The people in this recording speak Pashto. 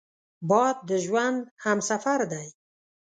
باد د ژوند همسفر دی